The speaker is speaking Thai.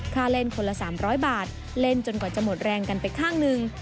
เล่นคนละ๓๐๐บาทเล่นจนกว่าจะหมดแรงกันไปข้างหนึ่ง